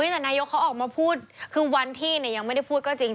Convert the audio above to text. แต่นายกเขาออกมาพูดคือวันที่ยังไม่ได้พูดก็จริง